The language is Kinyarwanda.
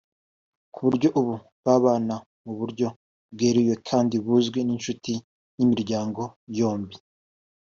kuburyo ubu babana mu buryo bweruye kandi buzwi n’inshuti n’imiryango yombi